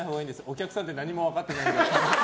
お客さんって何も分かってないので。